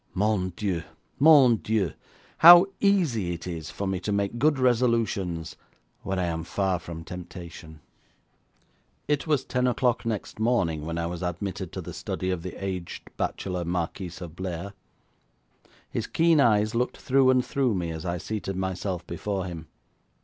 Mon Dieu! Mon Dieu! how easy it is for me to make good resolutions when I am far from temptation! It was ten o'clock next morning when I was admitted to the study of the aged bachelor Marquis of Blair. His keen eyes looked through and through me as I seated myself before him.